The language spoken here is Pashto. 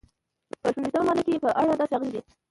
په شپږویشتمه ماده کې یې په اړه داسې راغلي دي.